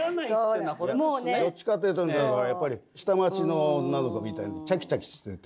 どっちかっていうとだからやっぱり下町の女の子みたいなチャキチャキしてて。